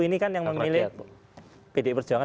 ini kan yang memilih pdi perjuangan